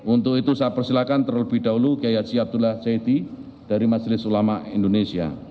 untuk itu saya persilahkan terlebih dahulu geyaji abdullah jaidi dari masjidulis ulama indonesia